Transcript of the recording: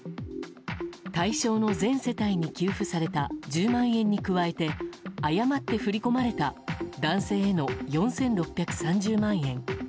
対象の全世帯に給付された１０万円に加えて誤って振り込まれた男性への４６３０万円。